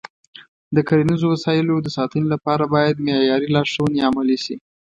د کرنیزو وسایلو د ساتنې لپاره باید معیاري لارښوونې عملي شي.